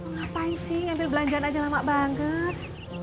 ngapain sih ngambil belanjaan aja lama banget